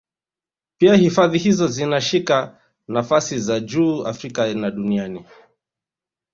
Pia hifadhi hizo zinashika nafasi za juu Afrika na duniani